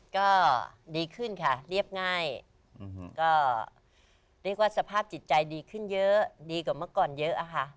ก็ดีขึ้นค่ะเรียบง่ายก็เรียกว่าสภาพจิตใจดีขึ้นเยอะดีกว่าเมื่อก่อนเยอะอะค่ะ